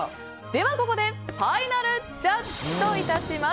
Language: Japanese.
ここでファイナルジャッジといたします。